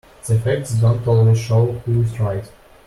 The facts don't always show who is right.